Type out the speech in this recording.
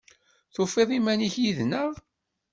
Tufiḍ iman-ik yid-neɣ?